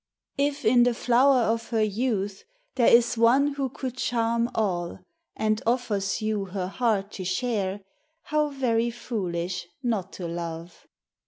If in the flower of her youth There is one who could charm all. And offers you her heart to share, How very foolish not to love!